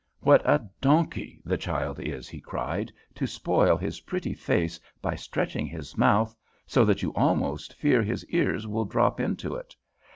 "'What a donkey the child is,' he cried, 'to spoil his pretty face by stretching his mouth so that you almost fear his ears will drop into it!